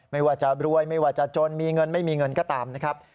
ไม่ว่าจะรวยไม่ว่าจะจนมีเงินไม่มีเงินก็ตามนะครับ